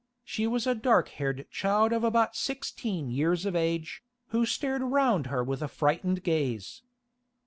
She was a dark haired child of about sixteen years of age, who stared round her with a frightened gaze.